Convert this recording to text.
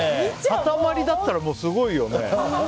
塊だったら、すごいよね。